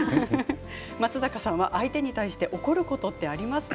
松坂さんは相手に対して怒ることってありますか？